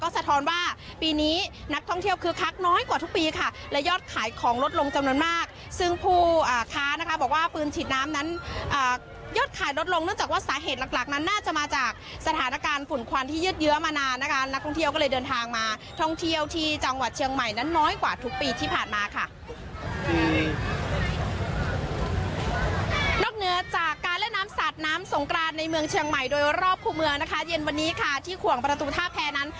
สงกรานในเมืองเชียงใหม่โดยรอบคู่เมืองนะคะเย็นวันนี้ค่ะที่ขวังประตูท่าแพ้นั้น